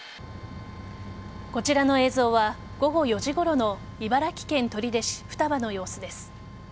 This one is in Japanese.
こちらの映像は午後４時ごろの茨城県取手市双葉の様子です。